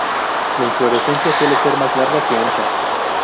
La inflorescencia suele ser más larga que ancha.